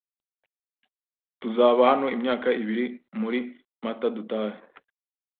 Tuzaba hano imyaka ibiri muri Mata dutahe